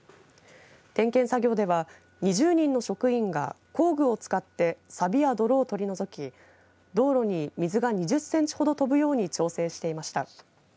点検作業では、２０人の職員が工具を使ってさびや泥を取り除き道路に水が２０センチほど飛ぶように調整していました。